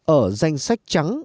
ở danh sách trắng